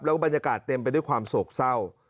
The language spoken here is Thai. แล้วก็บรรยากาศเต็มไปด้วยความโศกเศร้า